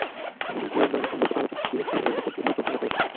সঙ্গে ঘিয়ের নামসংবলিত কাগজে বিএসটিআইয়ের নকল সিল মুদ্রণ করে রাখা হয়েছে।